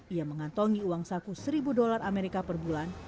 ia mengantongi uang saku seribu dolar amerika per bulan